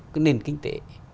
cái nền kinh tế